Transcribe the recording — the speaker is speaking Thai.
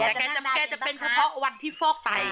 แกก็นั่งได้นั่งได้ใช่แต่แกจะเป็นเฉพาะวันที่ฟอกไต